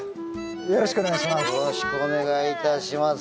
よろしくお願いします。